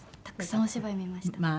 たくさんお芝居見ました。